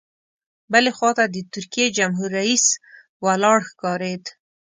بلې خوا ته د ترکیې جمهور رئیس ولاړ ښکارېد.